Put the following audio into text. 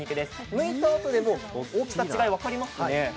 むいたあとでも大きさの違いが分かりますよね。